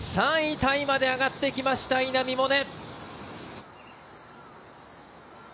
タイまで上がってきました稲見萌寧。